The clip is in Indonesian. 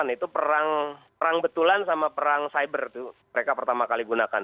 dua ribu delapan itu perang betulan sama perang cyber itu mereka pertama kali gunakan